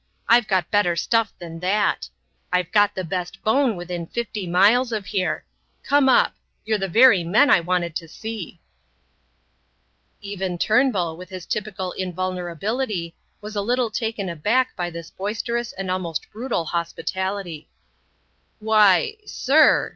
"I've got better stuff than that. I've got the best Beaune within fifty miles of here. Come up. You're the very men I wanted to see." Even Turnbull, with his typical invulnerability, was a little taken aback by this boisterous and almost brutal hospitality. "Why...sir..."